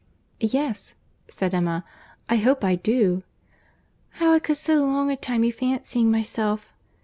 "Yes," said Emma, "I hope I do." "How I could so long a time be fancying myself!..."